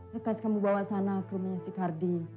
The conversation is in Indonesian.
bekas kamu bawa sana ke rumahnya si kardi